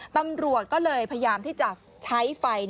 ตำรวจก็เลยพยายามที่จะใช้ไฟ